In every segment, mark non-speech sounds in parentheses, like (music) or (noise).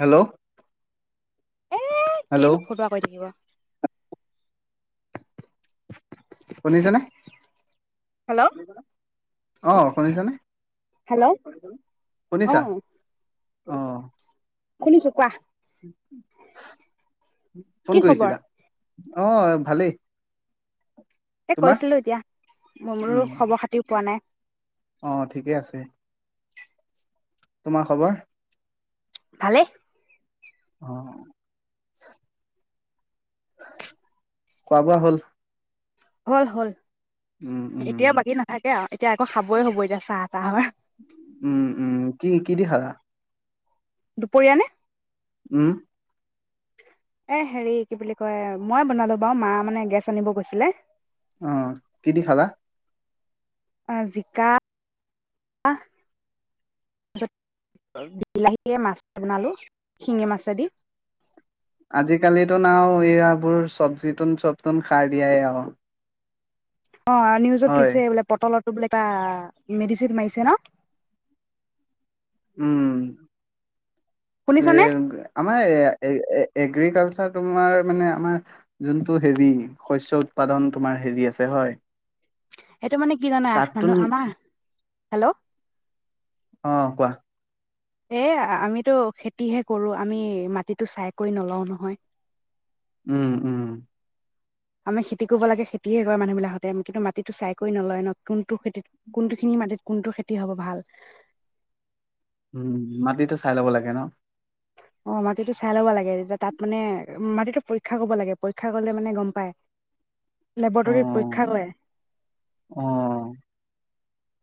Hello এ hello কিনো ফটোৱা কৰি থাকিব শুনিছেনে? হেল্ল' অ শুনিছানে? হেল্ল' শুনিছা আহ অ শুনিছোঁ কোৱা। কি ফোন খবৰ? কৰিছিলা? অহ ভালেই। এ তোমাৰ কৈছিলোঁ এতিয়া মোৰ মোৰো উম খবৰ খাতিও পোৱা নাই। অ ঠিকে আছে তোমাৰ খবৰ? ভালে। আহ খোৱা বোৱা হ'ল। হ'ল হ'ল। উম উম এতিয়াও বাকী নাথাকে আৰু এতিয়া আকৌ খাবই হব এতিয়া চাহ তাহৰ। উম উম কি কি দি খালা দুপৰীয়া নে। উম। এ হেৰি কি বুলি কয় মই বনালো বাৰু মা মানে গেছ আনিব গৈছিলে। অ কি দি খালা। জিকা, বিলাহীয়ে মাছ বনালো শিঙি মাছেদি। আজিকালিতো না এইয়াবোৰ চব্জি তোন চবতোন খাৰ দিয়াই আৰু। অঁ নিউজত হয় পিছে বোলে পটলত। বোলে মেডিচিত মাৰিছে ন। উম। উ শুনিছানে? আমাৰ এ-এ-এ। এগ্ৰিকালচাৰ তোমাৰ মানে আমাৰ যোনটো হেৰি শস্য উৎপাদন তোমাৰ হেৰি আছে হয়। এইটো মানে কি জানা তাততোন মানুহ আমাৰ। হেল্ল'। অ কোৱা। এ আমিতো খেতিহে কৰো আমি মাটিতটো চাই কৰি নলও নহয়। উম-উম। আমি খেতি কৰিব লাগে খেতিয়ে কৰে মানুহবিলাকতে কিন্তু মাটিতটো চাই কৰি নলয় ন কোনটো খেতিত কোনটো খিনি মাটিত কোনটো খেতি হব ভাল। উম মাটিতো চাই ল'ব লাগে ন। অ মাটিতটো চাই ল'ব লাগে যেতিয়া তাত মানে মাটিটো পৰীক্ষা কৰিব লাগে পৰীক্ষা কৰিলে মানে গম পায়। অ লেবৰেটৰীত পৰীক্ষা কৰে। অ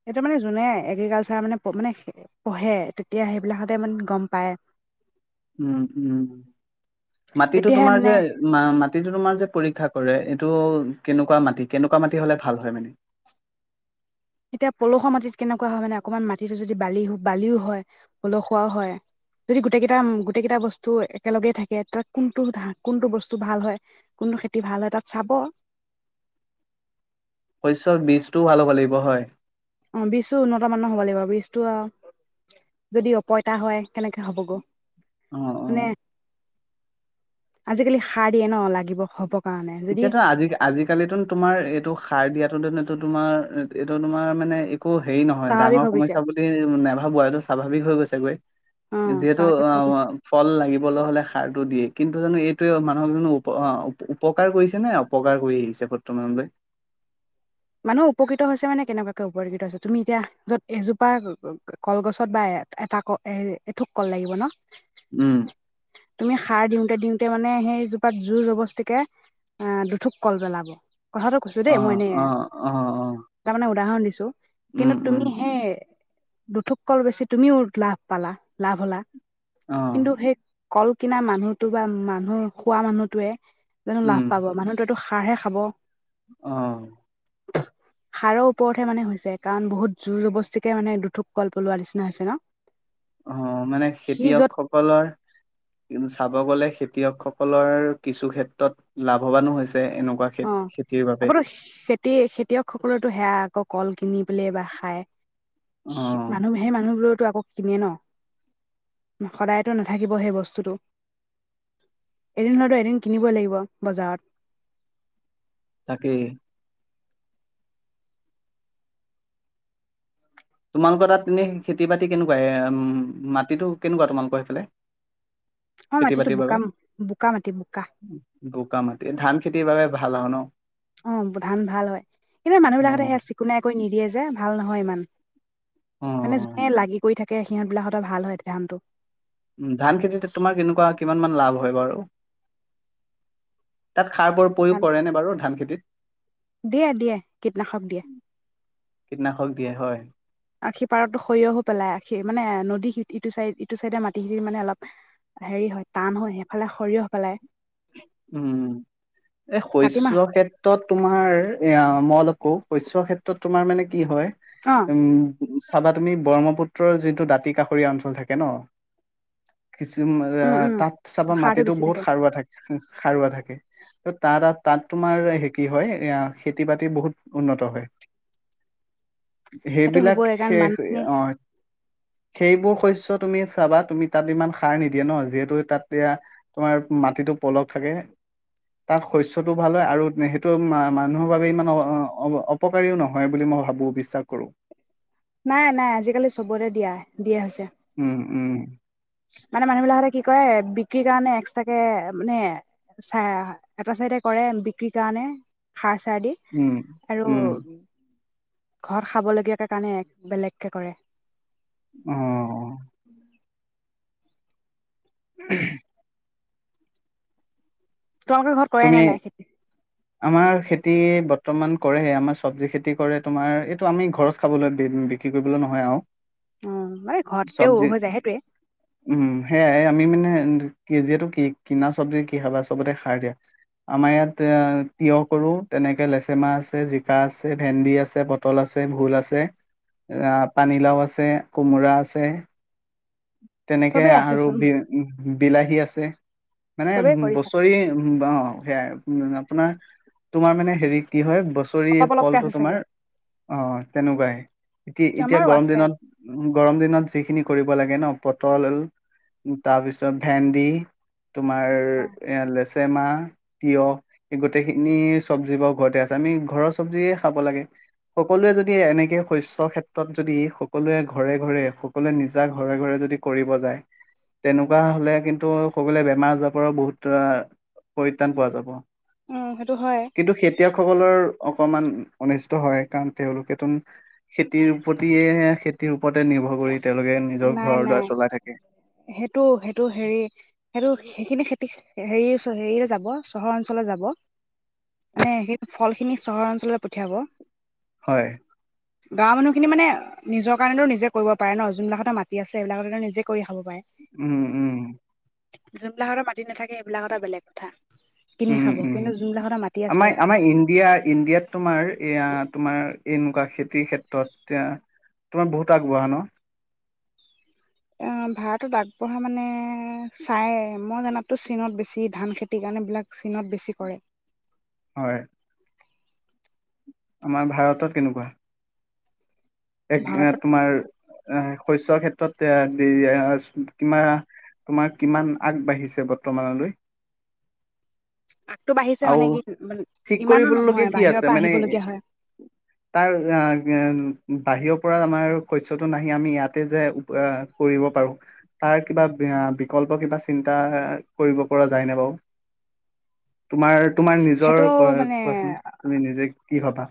সেইটো মানে যোনে এগ্ৰিকালচাৰ মানে-মানে পঢ়ে তেতিয়া সেইবিলাকতে মানে গম পায়। উম উম মাটিটো তেতিয়াহে তোমাৰ মানে যে মা-মাটিটো তোমাৰ যে পৰীক্ষা কৰে। এইটো কেনেকুৱা মাটি কেনেকুৱা মাটি হলে ভাল হয় মানে। এতিয়া পলসুৱা মাটিত কেনেকুৱা হয় মানে অকনমান মাটিটো যদি বালি বালিও হয় পলসুৱাও হয় যদি গোটেই কেইটা গোটেই কেইটা বস্তু একেলগে থাকে তাত কোনটো কোনটো বস্তু ভাল হয় কোনটো খেতি ভাল হয় তাত চাব। শস্য বীজটোও ভাল হ'ব লাগিব হয়। অ বীজটো উন্নত মানৰ হ'ব লাগিব বীজতটো আ যদি অপইতা হয় কেনেকে হ'ব গৈ। অহ-অহ। আজিকালি সাৰ দিয়ে ন, লাগিব হ'ব এতিয়াতো আজি আজিকালিতো তোমাৰ এইটো সাৰ দিয়াতো তোমাৰ এইটো তোমাৰ মানে একো হেৰি নহয় স্বাভাৱিক ডাঙৰ ভাবিছে সমস্যা বুলি নাভাবো এইটো স্বাভাৱিক হৈ গৈছেগৈ অ যিহেতু স্বাভাৱিক অ ভাবিছে ফল লাগিবলৈ হলে সাৰটো দিয়েই। কিন্তু জানো এইটোৱে মানুহক জানো উপ আ উপ উপ উপকাৰ কৰিছে নে অপকাৰ কৰি আহিছে বৰ্তমানলৈ? মানুহ উপকৃত হৈছে মানে কেনেকুৱাকে উপকৃত হৈছে তুমি এতিয়া যত এজোপা কলগছত বা এটা অ এথোক কল লাগিব ন উম, তুমি সাৰ দিওঁতে দিওঁ (unintelligible) মানে সেইজোপাত জোৰ জবস্তিকে দুঠোক কল পেলাব। কথাটো কৈছো দেই মই অ', এনে অ' অ' উদাহৰণ দিছোঁ। উম, কিন্তু উম, তুমি হে দুঠোক কল বেছি তুমিও লাভ পালা লাভ হলা। কিন্তু অ', হেই কল কিনা মানুহতো বা মানুহ, খোৱা মানুহটোৱে জানো লাভ উম, পাব মানুহটোত সাৰহে খাব। অ' সাৰৰ ওপৰতহে মানে হৈছে কাৰণ বহুত জোৰ জবস্তিকে মানে দুঠোক কল পেলোৱা নিচিনা হৈছে ন? অ মানে সি খেতিয়ক য'ত সকলৰ (unintelligible) চাব গলে খেতিয়কসকলৰ কিছু ক্ষেত্ৰত লাভৱানো হৈছে। এনেকুৱা অ খেত খেতিৰ বাবে আগতে খেতি খেতিয়ক সকলৰটো সেয়া আকৌ কল কিনি পেলাই (unintelligible) খাই অ' মানুহ সেই মানুহবোৰত আকৌ কিনে ন, সদায়তো নাথাকিব সেই বস্তুটো। এদিন নহইটো এদিন কিনিবই লাগিব বজাৰত। তাকেই। তোমালোকৰ তাত এনেই খেতি বাতি কেনেকুৱা, এ উম মাটিটো কেনেকুৱা তোমালোকৰ সেইফালে? অ মাটিতো খেতি-বাতিৰ বোকা বাবে, বোকা মাটি বোকা বোকা মাটি ধান খেতিৰ বাবে ভাল আৰু ন'? অ' ধান ভাল হয়, কিন্তু মানুহ অ বিলাক হতে সেই চিকুণায় কৰি নিদিয়ে যে ভাল নহয়। হয় ইমান অ মানে জোনে লাগি কৰি থাকে তে সিহঁত বিলাক হতৰ ভাল হয় তেতিয়া ধানটো। উম ধান খেতিটোত তোমাৰ কেনেকুৱা কিমান মান লাভ হয় বাৰু? তাত সাৰ বোৰ ধান প্ৰয়োগ কৰে নে বাৰু ধান খেতিত? দিয়ে দিয়ে কীটনাশক দিয়ে কীটনাশক দিয়ে হয়। সেই মানে নদী সি-ইটো চাইদ ইটো চাইডে মাটিখিনি মানে অলপ হেৰি হয়, টান হয়, সেইফালে সৰিয়হ পেলায়। উম এ কাতি মাহ শস্যক্ষেত্ৰত তোমাৰ, এয়া মই অলপ বহু শস্যক্ষেত্ৰত তোমাৰ মানে কি হয়? অ উম ম চাবা তুমি ব্ৰহ্মপুত্ৰৰ যিটো দাঁতি কাষৰীয়া অঞ্চল থাকে ন। কিছুমান উম উম তাত চাবা সাৰটো মাটিতো বেছি বহুত থাকে সাৰুৱা থাকে। সাৰুৱা থাকে। ত তাৰ-তাত তোমাৰ হে কি হয় এয়া খেতি-বাতি বহুত উন্নত হয়। সেইটো হেইবিলাক হ'বই কাৰণ শেষ, এ বানপানী অ সেইবোৰ শস্য তুমি চাবা, তুমি তাত ইমান সাৰ নিদিয়ে ন। যিহেতু তাত এয়া তোমাৰ মাটিটো পলক থাকে। তাত শস্যটো ভাল হয় আৰু এ সেইটো মা-মানুহৰ বাবে ইমান অ-অ-অ-অপকাৰীও নহয় বুলি মই ভাবো, বিশ্বাস কৰোঁ। নাই-নাই, আজিকালি চবৰে দিয়া-দিয়া হৈছে। উম-উম। মানে মানুহবিলাক হতে কি কৰে কি কাৰণে এক্সট্ৰাকে এ মানে চাই আহ এটা চাইডে কৰে বিক্ৰী কাৰণে, সাৰ চা চা দি উম আৰু উ উম ঘৰত খাব লগীয়াকে কাৰণে বেলেগকে কৰে। অ-অ। উহঃ। তোমালোকৰ ঘৰত কৰে তুমি নে নাই খেতি? আমাৰ খেতি বৰ্তমান কৰে, হে আমাৰ চবজি খেতি কৰে তোমাৰ এইটো আমি ঘৰত খাবলৈ বি বিক্ৰী কৰিবলৈ নহয় আৰু অ মানে ঘৰতেও চবজি, হৈ যায় সেইটোয়ে উম সেয়াই আমি মানে (unintelligible) যিহেতুটো কি কিনা চব্জি কি খাবা চবতে সাৰ দিয়া। আমাৰ ইয়াত এ তিঁয়হ কৰোঁ। তেনেকে লেচেমাহ আছে, জিকা আছে, ভেন্দি আছে, পটল আছে, ভোল আছে, এ আ পানীলাও আছে, কোমোৰা আছে। তেনেকে চবেই আছে আৰু চোন বি উ বিলাহী আছে। মানে চবেই ম কৰিছা বছৰি সেয়াই। উ আপোনাৰ, তোমাৰ মানে হেৰি কি হয়, বছ চৰি, এই অলপ অলপকে ফলটো আছে চাগে তোমাৰ অ তেনেকুৱাই। এটি-এতিয়া আমাৰো গৰম আছে দিনত, গৰম দিনত যিখিনি কৰিব লাগে ন। পটল ল, তাৰপিছত ভেন্দি। তোমাৰ ইয়া লেচ টেমা, তিঁয়হ, এই গোটেইখিনিয়ে চব্জি বাও ঘৰতে আছে, আমি ঘৰৰ চবজিয়ে খাব লাগে। সকলোৱে যদি এনেকে শস্যক্ষেত্ৰত যদি সকলোৱে ঘৰে ঘৰে সকলোৱে নিজা ঘৰে ঘৰে যদি কৰিব যায়, তেনেকুৱা হ'লে কিন্তু সকলোৱে বেমাৰ আজাৰৰ পৰা বহুত আ পৰিত্ৰাণ পোৱা যাব। উম সেইটো হয় কিন্তু খেতিয়কসকলৰ অকমান অনিষ্ট হয়, কাৰণ তেওঁলোকেটোন খেতিৰ প্ৰতিয়ে খেতিৰ ওপৰতে নিৰ্ভৰ, কৰি তেওঁলোকে নিজৰ নাই ঘৰ দুৱাৰ নাই চলাই থাকে সেইটো সেইটো হেৰি সেইটো, সেইখিনি খেতি হেৰি হেৰিৰে যাব চহৰ অঞ্চললে যাব মানে সেই ফলখিনি চহৰ অঞ্চললৈ পঠিয়াব। হয়। গাঁৱৰ মানুহখিনি মানে নিজৰ কাৰণেতো নিজে কৰিব পাৰে ন যোন নাখন, মাটি আছে এইবিলাকত নিজে কৰি খাব পাৰে। উম উম, যোনবিলাকৰ মাটি নাথাকে সেইবিলাকৰ এটা বেলেগ কথা। কিনি উম খাব উম কিন্তু যোনবিলাকতে মাটি আছে আমাৰ আমাৰ ইণ্ডিয়া ইণ্ডিয়াত তোমাৰ এনেকুৱা খেতিৰ ক্ষেত্ৰত এতি তোমাৰ বহুত আগবঢ়া ন এ ভাৰতত আগবঢ়া মানে, চাই মই জানাততো চীনত বেছি ধান খেতি কাণে বিলাক চীনত বেছি কৰে। হয়। আমাৰ ভাৰতত কেনেকুৱা? এক ঘে ভাৰতত তোমাৰ, এ শস্যৰ ক্ষেত্ৰত তাত, তোমাৰকিমান আগবাঢ়ি‌ছেমানলৈ। আগটো বাঢ়িছে মানে আৰু কি ঠিক ইমানো কৰিবলগীয়া নহয় কি বাহিৰৰ আছে পৰা মানে আহিবলগীয়া হয়। তাৰ? বাহিৰৰ পৰা আমাৰ শস্যটো নাহি আমি ইয়াতে যে আ কৰিব পাৰো তাৰ কিবা বিকল্প কিবা চিন্তা এ কৰিব পৰা যায় ন বাৰু। তোমাৰ। তোমাৰ নিজৰ সেইটো ৰ মানে কোৱাচোন তুমি নিজে কি হ'বা।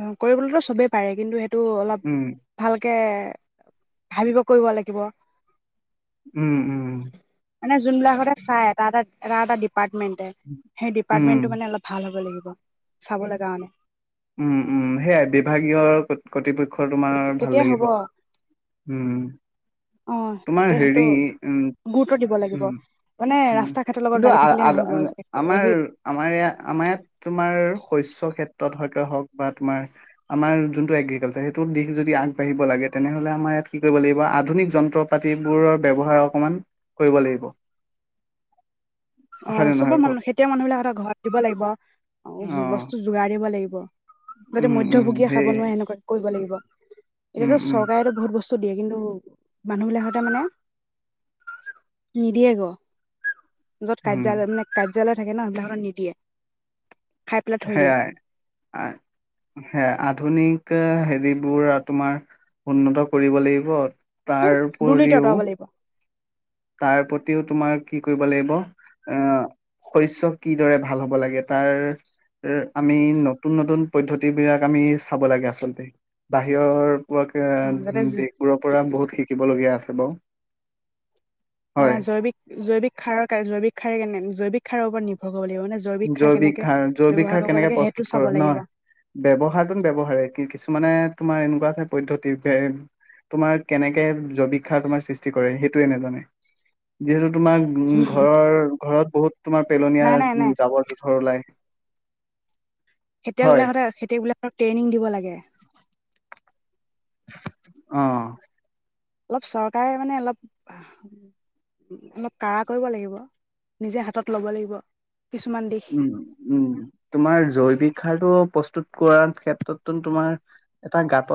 অ কৰিবলৈতো চবেই পাৰে কিন্তু এ। টো অলপ উম, ভালকে। ভাবিব কৰিব লাগিব। উম-উম। মানে যোনবলাকতে চাই ত এটা-এটা-এটা। ডিপাৰ্টেণ্টমেন্ত নে সেই উম। ডিপাৰ্টেণ্টটো মানে অলপ ভাল হ'ব লাগিব। চাবলৈ যাম। উম উম সেয়াই বিভাগীয় কৰ্তিপক্ষ। তোমাৰ ভাল তেতিয়া লাগিব হ'ব উম। অ তোমাৰ তেতিয়া সেইটো হেৰি গুৰুত্ব দিব লাগিব। মানে উম-উম-উম ৰাস্তা ঘাটৰ লগত কিন্তু লাগি থাকিলে নহ'ব আমাৰ-আমাৰ ইয়াত-আমাৰ-ইয়াত তোমাৰ শস্য ক্ষেত্ৰত। হক বা তোমাৰ আমাৰ যোনটো এগ্ৰিকাৰ সেইটো দিশ যদি আগবাঢ়িব লাগে তেনেহলে আমাৰ ইয়াত কি কৰিব লাগিব আধুনিক যন্ত্ৰ পাতিবোৰৰ ব্যয়ৱহাৰ অকণমান কৰিব লাগিব। অ হয় নে চবৰ নহয় কওক? মানুহ খেতিয়ক মানুহ বিলাক এটা ঘৰত দিব লাগিব। অ' অ', বস্তু যোগাৰ দিব লাগিব যাতে উম, উম, মধ্যভোগীয়ে খাব সেই নোৱাৰে সেনেকা। কৰিব লাগিব। উম, এতিয়াটো উম, চৰকাৰেটো বহুত বস্তু। দিয়ে কিন্তু মানুহ বিলাকতে মানে নিদিয়ে গৈ। য'ত উম, কাৰ্য্যালয় মানে। (unintelligible) কাৰ্য্যালয় থাকে ন (unintelligible) নিদিয়ে। খাই পেলাই থৈ দিয়ে সেয়াই আ- আ আধুনিক। হেৰিবোৰ তোমাৰ উন্নত কৰিব লাগিব। তাৰ দুৰ্নীতি উপৰিও। আঁতৰাব লাগিব তাৰ প্ৰতিও তোমাৰ কি কৰিব লাগিব আহ শস্য কিদৰে ভাল হ'ব লাগে তাৰ আমি নতুন নতুন পদ্ধতি বিলাক আমি চাব লাগে আচলতে বাহিৰৰ। অ যাতে দেশবোৰৰ পৰা বহুত শিকিবলগীয়া আছে। হেল্ল'। অ জৈৱিক জৈৱিক খাৰৰ কাৰ জৈৱিক খাৰ কেনে। জৈৱিক সাৰ ওপৰত নিৰ্ভয়। জৈৱিক সাৰ জৈৱিক সাৰ কৰিব কেনেকে লাগে সেইটো প্ৰস্তুত চাব কৰো লাগিব নহয় ব্যৱহাৰটো ব্যৱহাৰে কি কিছুমানে। তোমাৰ এনেকুৱাকে পদ্ধতি তোমাৰ কেনেকে জৈৱিক সাৰ তোমাৰ সৃষ্টি কৰে সেইটোয়ে নাজানে যিহেতু। তোমাক ঘৰৰ ঘৰত বহুত। তোমাৰ পেলনীয়া। নাই নাই নাই জোঁথৰ ওলায় খেতিয়ক বিলাকে খেতিয়ক বিলাকক ট্ৰেইনিং দিব লাগে। অ' অলপ চৰকাৰে মানে অলপ অলপ কাম কৰিব লাগিব নিজে হাতত ল'ব লাগিব। কিছুমান দিশ উম উম তোমাৰ জৈৱিক সাৰো (inaudible) (inaudible) কৰাৰ ক্ষেত্ৰতো তোমাৰ এটা গাঁতত